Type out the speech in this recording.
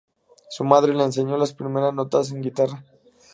Su madre le enseñó las primeras notas en guitarra.